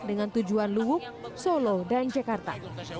dengan tujuan luwuk solo dan jakarta